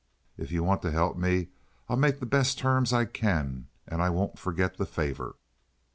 If you want to help me I'll make the best terms I can, and I won't forget the favor."